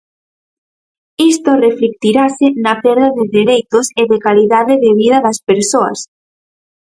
Isto reflectirase na perda de dereitos e de calidade de vida das persoas.